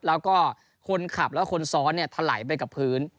แล้วก็คนขับและคนซ้อนเนี่ยถลายไปกับพื้น